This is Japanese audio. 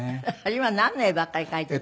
今なんの絵ばっかり描いてた？